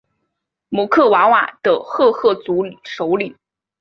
姆克瓦瓦的赫赫族首领。